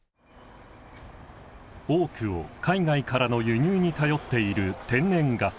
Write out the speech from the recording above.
多くを海外からの輸入に頼っている天然ガス。